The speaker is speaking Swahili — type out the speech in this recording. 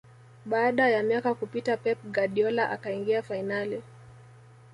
baada ya miaka kupita pep guardiola akaingia fainali